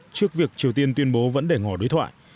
trước việc triều tiên tuyên bố vẫn để ngỏ đối thoại